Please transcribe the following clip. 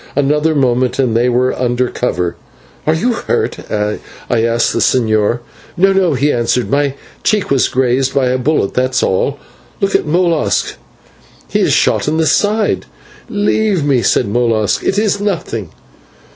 Another moment and they were under cover. "Are you hurt?" I asked of the señor. "No, no," he answered; "my cheek was grazed by a bullet, that is all. Look to Molas, he is shot in the side." "Leave me," said Molas, "it is nothing."